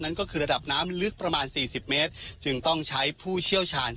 ก็คือระดับน้ำลึกประมาณ๔๐เมตรจึงต้องใช้ผู้เชี่ยวชาญ